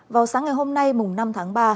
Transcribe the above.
vào sáng ngày hôm nay mùng năm tháng ba